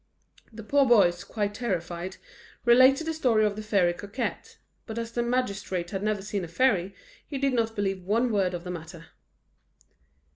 The poor boys, quite terrified, related the story of the Fairy Coquette; but as the magistrate had never seen a fairy, he did not believe one word of the matter.